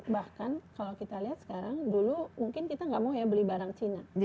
bahkan kalau kita lihat sekarang dulu mungkin kita nggak mau ya beli barang cina